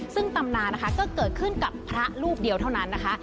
ซึ่งตำนานนะคะก็เกิดขึ้นกับพระรูปเดียวเท่านั้นนะคะ